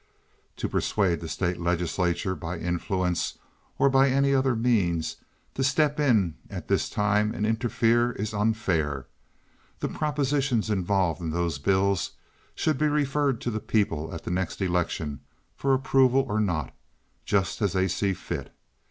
To persuade the state legislature, by influence or by any other means, to step in at this time and interfere is unfair. The propositions involved in those bills should be referred to the people at the next election for approval or not, just as they see fit.